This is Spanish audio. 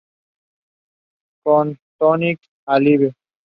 Con Tonight Alive